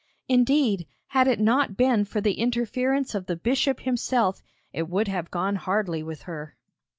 Indeed, had it not been for the interference of the bishop himself, it would have gone hardly with her.